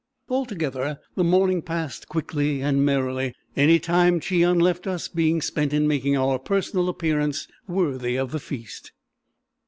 Altogether the morning passed quickly and merrily, any time Cheon left us being spent in making our personal appearance worthy of the feast.